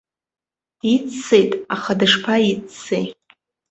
Диццеит, аха дышԥаиццеи!